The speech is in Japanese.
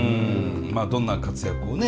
まあどんな活躍をね